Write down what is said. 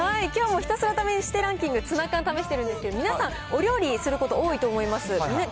きょうもひたすら試してランキング、ツナ缶試してるんですけど、皆さん、お料理すること多いと思います。